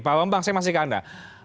pak bambang saya masih ke anda